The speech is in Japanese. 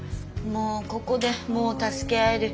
もうここでもう助け合える。